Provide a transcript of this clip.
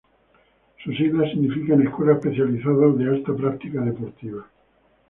Sus siglas significan Escuela Especializada de Alta Práctica Deportiva.